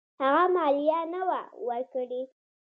هغه مالیه نه وه ورکړې.